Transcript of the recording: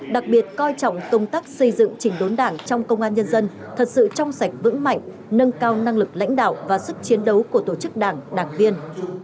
đặc biệt coi trọng công tác xây dựng chỉnh đốn đảng trong công an nhân dân thật sự trong sạch vững mạnh nâng cao năng lực lãnh đạo và sức chiến đấu của tổ chức đảng đảng viên